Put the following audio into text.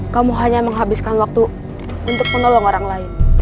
kamu hanya menghabiskan waktu untuk menolong orang lain